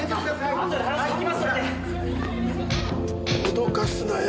脅かすなよ